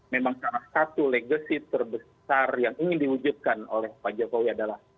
memang salah satu legacy terbesar yang ingin diwujudkan oleh pak jokowi adalah